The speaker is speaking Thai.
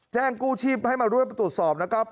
แจ้งกู้ชีพให้มาด้วยประตูสอบนะครับ